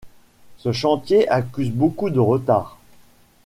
Ce chantier accuse beaucoup de retard.